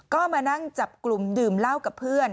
ก็มานั่งจับกลุ่มดื่มเหล้ากับเพื่อน